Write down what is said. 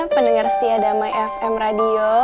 pendengar setiadama fm radio